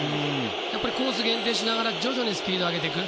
やっぱりコースを限定しながら徐々にスピードを上げていく。